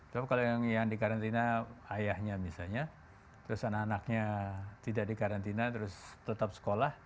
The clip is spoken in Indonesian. tapi kalau yang di karantina ayahnya misalnya terus anak anaknya tidak di karantina terus tetap sekolah